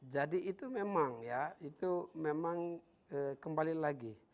jadi itu memang ya itu memang kembali lagi